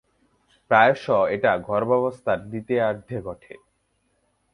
প্রায়শ এটা গর্ভাবস্থার দ্বিতীয়ার্ধে ঘটে।